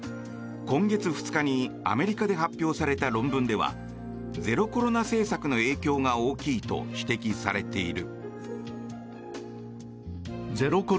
今月２日にアメリカで発表された論文ではゼロコロナ政策の影響が大きいと指摘されている。